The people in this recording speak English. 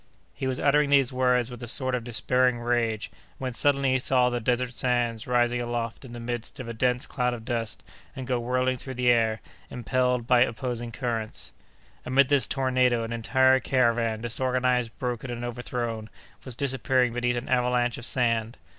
He was uttering these words with a sort of despairing rage, when suddenly he saw the desert sands rising aloft in the midst of a dense cloud of dust, and go whirling through the air, impelled by opposing currents. Amid this tornado, an entire caravan, disorganized, broken, and overthrown, was disappearing beneath an avalanche of sand.